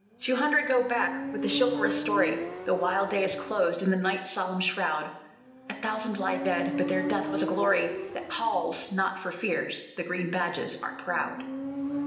Two hundred go back with the chivalrous story; The wild day is closed in the night's solemn shroud; A thousand lie dead, but their death was a glory That calls not for tears the Green Badges are proud!